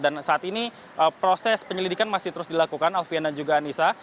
dan saat ini proses penyelidikan masih terus dilakukan alfie dan juga anissa